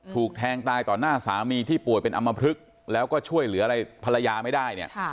ถูกแทงตายต่อหน้าสามีที่ป่วยเป็นอำมพลึกแล้วก็ช่วยเหลืออะไรภรรยาไม่ได้เนี่ย